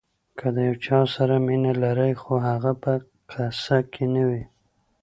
که د یو چا سره مینه لرئ خو هغه په قصه کې نه وي.